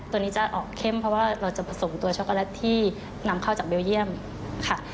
ตัวนี้จะออกเข้มเพราะว่าเราจะผสมตัวช็อกโกแลตที่นำเข้าจากเบลเยี่ยมค่ะ